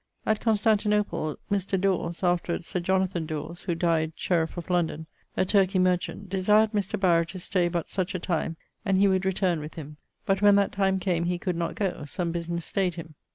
At Constantinople, Mr. Dawes (afterwards Sir Jonathan Dawes, who dyed sherif of London), a Turkey merchant, desired Mr. Barrow to stay but such a time and he would returne with him, but when that time came he could not goe, some businesse stayd him.